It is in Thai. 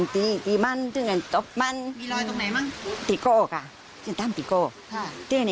โดนขู่ให้ไปจดทะเบียน